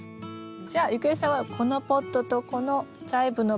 じゃあ郁恵さんはこのポットとこのチャイブのポット